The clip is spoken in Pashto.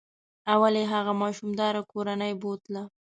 اول یې هغه ماشوم داره کورنۍ بوتله.